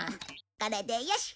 これでよし。